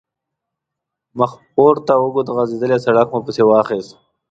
مخپورته اوږد غځېدلی سړک مو پسې واخیست.